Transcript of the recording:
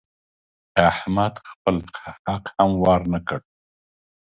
احمد خپل حق هم ونه ورکړ.